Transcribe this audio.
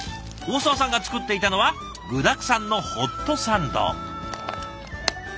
大澤さんが作っていたのは具だくさんのホットサンド。